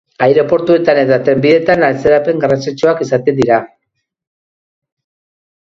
Aireportuetan eta trenbideetan atzerapen garrantzitsuak izan dira.